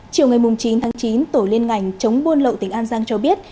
chiều chín chín tổ liên ngành chống buôn lậu tỉnh an giang cho biết